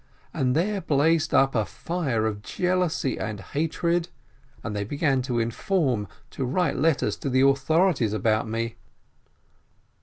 And there blazed up a fire of jealousy and hatred, and they began to inform, to write letters to the authorities about me.